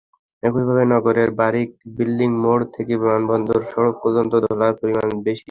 একইভাবে নগরের বারিক বিল্ডিং মোড় থেকে বিমানবন্দর সড়ক পর্যন্ত ধুলার পরিমাণ বেশি।